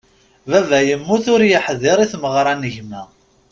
Baba yemmut ur yeḥdiṛ i tmerɣra n gma.